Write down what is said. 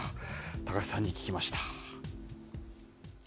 高橋さんに聞きました。